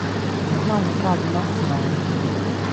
Nav nekādu naktsmāju.